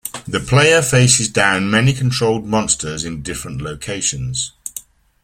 The player faces down many controlled monsters in different locations.